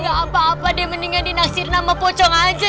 gak apa apa deh mendingan dinaksirin sama pocong aja ya